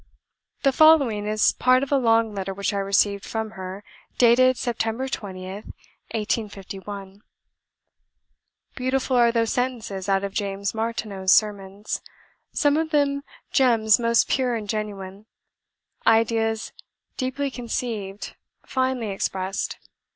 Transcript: The following is part of a long letter which I received from her, dated September 20th, 1851: "... Beautiful are those sentences out of James Martineau's sermons; some of them gems most pure and genuine; ideas deeply conceived, finely expressed.